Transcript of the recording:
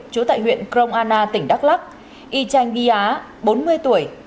trú tại huyện crong ana tỉnh đắk lắc y chanh bia bốn mươi tuổi